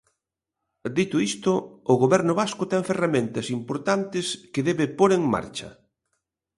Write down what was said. Dito isto, o Goberno vasco ten ferramentas importantes que debe pór en marcha.